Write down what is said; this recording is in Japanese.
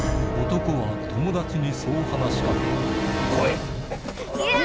男は友達にそう話し掛けイヤ！